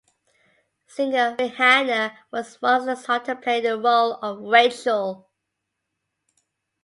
Singer Rihanna was once sought to play the role of Rachel.